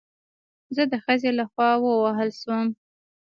زه د ښځې له خوا ووهل شوم